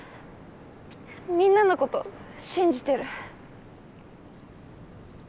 みんなのこと信じてる。